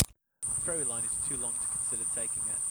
The ferry line is too long to consider taking it.